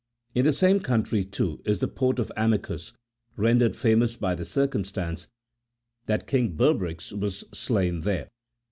In the same country, too, is the port of Amycus,65 rendered famous by the circumstance that King Bebryx was slain there.